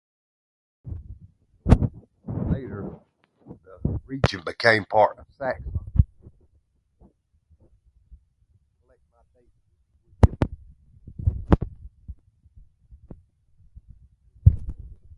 Later the region became a part of Saxony.